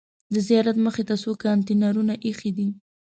د زیارت مخې ته څو کانتینرونه ایښي دي.